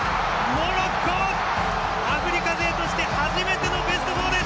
モロッコ、アフリカ勢初めてのベスト４です！